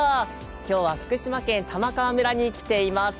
今日は福島県玉川村に来ています。